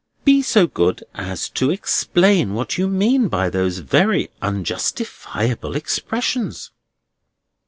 "Be so good as to explain what you mean by those very unjustifiable expressions."